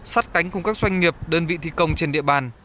sát cánh cùng các doanh nghiệp đơn vị thi công trên địa bàn